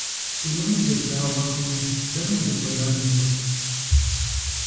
Дунейм утеслъагъуэркъыми, дэнэ ущыкӀуэдар, ныбжьэгъу?